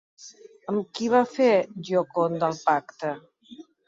Amb qui va fer Gioconda el pacte?